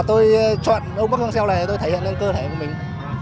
ông bóng an xeo này là tôi thể hiện lên cơ thể của mình